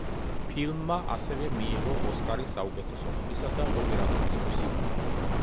ფილმმა ასევე მიიღო ოსკარი საუკეთესო ხმისა და ოპერატურისთვის.